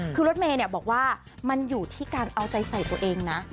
คือรถเมย์บอกว่ามันอยู่ที่การเอาใจใส่ตัวเองนะ